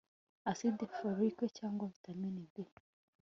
acide folique' cyangwa 'vitamine b